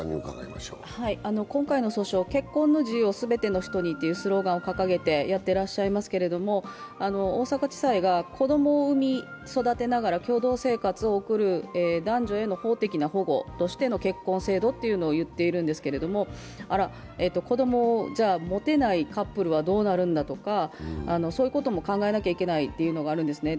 今回の訴訟、結婚の自由を全ての人にというスローガンを掲げてやってらっしゃいますけど、大阪地裁が子供を産み育てながら共同生活を送る男女への法的な保護への結婚制度をいっているんですけど、あら、子供を持てないカップルはどうなるんだとか、そういうことも考えなきゃいけないというのがあるんですね。